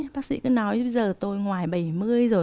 bác sĩ cứ nói bây giờ tôi ngoài bảy mươi rồi